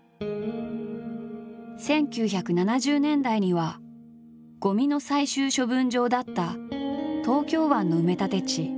１９７０年代にはゴミの最終処分場だった東京湾の埋め立て地